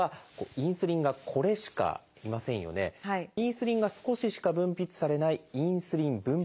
インスリンが少ししか分泌されない「インスリン分泌不全」という場合です。